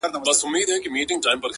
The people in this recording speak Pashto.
دا موسیقي نه ده جانانه- دا سرگم نه دی-